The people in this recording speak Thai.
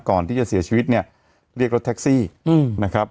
ก่อนที่จะเสียชีวิตเนี่ยเรียกรถแท็กซี่นะครับ